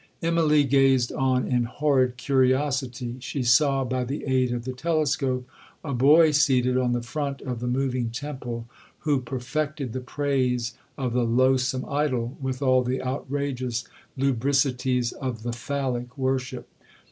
Immalee gazed on in horrid curiosity. She saw, by the aid of the telescope, a boy seated on the front of the moving temple, who 'perfected the praise' of the loathsome idol, with all the outrageous lubricities of the Phallic worship.